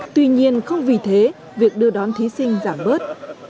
tuy nhiên không vì thế việc đưa đón thí sinh giảm bớt